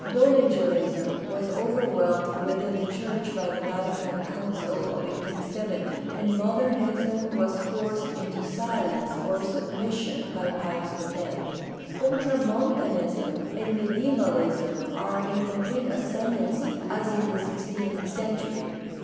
Doellingerism was overwhelmed within the church by the Vatican Council of 1870, and Modernism was forced into silence or submission by Pius X. Ultramontanism and Mediaevalism are in complete ascendency, as in the sixteenth century.